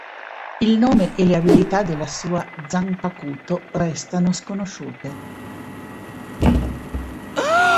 Il nome e le abilità della sua Zanpakutō restano sconosciute.